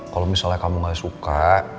kalau misalnya kamu gak suka